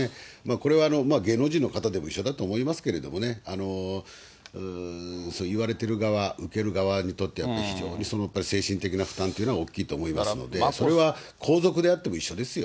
これは芸能人の方でも一緒だと思いますけれどもね、言われてる側、受ける側にとってはやっぱり非常に精神的な負担っていうのは大きいと思いますので、それは皇族であっても一緒ですよ。